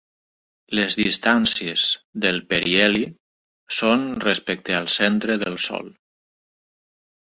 Les distàncies del periheli són respecte al centre del Sol.